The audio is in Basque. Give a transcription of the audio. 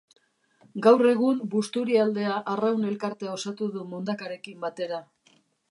Gaur egun Busturialdea Arraun Elkartea osatu du Mundakarekin batera.